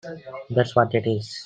That’s what it is!